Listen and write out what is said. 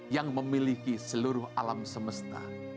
yang memiliki seluruh alam semesta